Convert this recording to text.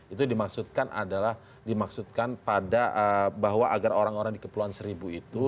itu dimaksudkan adalah dimaksudkan pada bahwa agar orang orang di kepulauan seribu itu